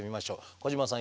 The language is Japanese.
小島さん